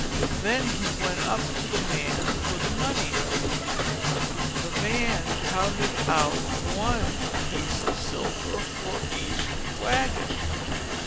Then he went up to the man for the money. The man counted out one piece of silver for each wagon.